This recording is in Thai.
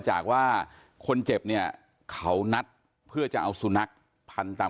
จากว่าคนเจ็บเนี่ยเขานัดเพื่อจะเอาสุนัขพันตาม